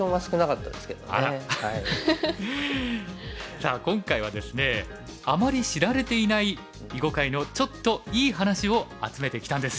さあ今回はですねあまり知られていない囲碁界の“ちょっと”いい話を集めてきたんです。